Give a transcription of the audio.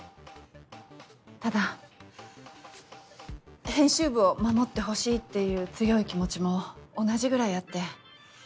ただ編集部を守ってほしいっていう強い気持ちも同じぐらいあって。